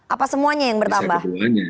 apa semuanya yang bertambah